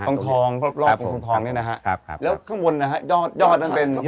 ทองทองรอบรอบตรงทองเนี่ยนะฮะครับแล้วข้างบนนะฮะยอดยอดนั้นเป็น